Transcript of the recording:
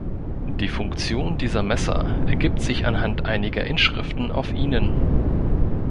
Die Funktion dieser Messer ergibt sich anhand einiger Inschriften auf ihnen.